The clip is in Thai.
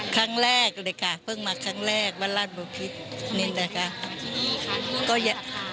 ครั้งแรกเลยค่ะเพิ่งมาครั้งแรกบ้านราชบุพิษนี่นะคะ